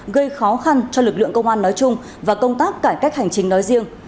gây khó khăn cho lực lượng công an nói chung và công tác cải cách hành chính nói riêng